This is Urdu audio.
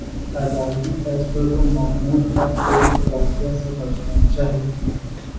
عدالتی فیصلے کو معمول کا ایک واقعہ سمجھنا چاہیے۔